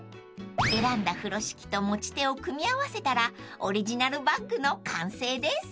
［選んだ風呂敷と持ち手を組み合わせたらオリジナルバッグの完成です］